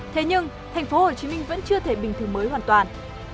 thế nhưng thành phố hồ chí minh vẫn chưa thể bình thường mới hoàn toàn